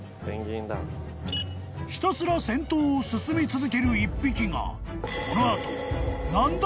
［ひたすら先頭を進み続ける１匹がこの後］